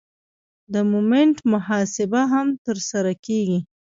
د مومنټ محاسبه هم ترسره کیږي